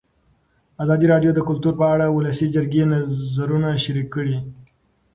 ازادي راډیو د کلتور په اړه د ولسي جرګې نظرونه شریک کړي.